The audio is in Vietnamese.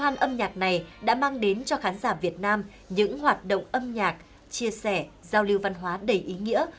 gian âm nhạc này đã mang đến cho khán giả việt nam những hoạt động âm nhạc chia sẻ giao lưu văn hóa đầy ý nghĩa